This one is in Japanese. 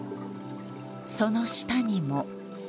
その下にも。